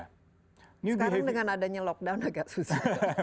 sekarang dengan adanya lockdown agak susah